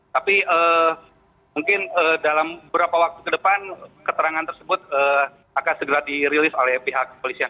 tapi mungkin dalam beberapa waktu ke depan keterangan tersebut akan segera dirilis oleh pihak polisian